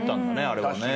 あれはね。